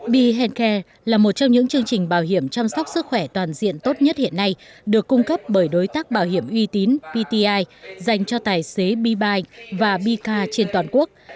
bihealthcare là một trong những chương trình bảo hiểm chăm sóc sức khỏe toàn diện tốt nhất hiện nay được cung cấp bởi đối tác bảo hiểm uy tín pti dành cho tài xế bibi và bika trên toàn quốc